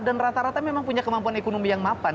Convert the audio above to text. dan rata rata memang punya kemampuan ekonomi yang mapan